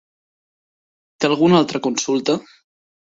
Té alguna altra consulta?